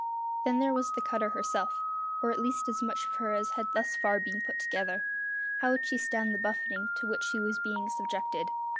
Then there was the cutter herself, or at least as much of her as had thus far been put together. How would she stand the buffeting to which she was being subjected?